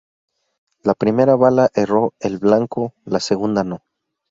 La primera bala erró el blanco, la segunda no.